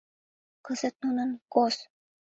Кызыт нунын — гос!